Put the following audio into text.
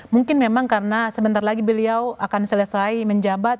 mungkin memang karena sebentar lagi beliau akan selesai menjabat